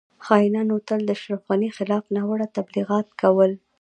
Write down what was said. خاینانو تل د اشرف غنی خلاف ناوړه تبلیغات کول